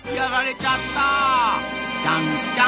ちゃんちゃん。